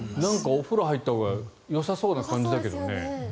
お風呂入ったほうがよさそうな感じですけどね。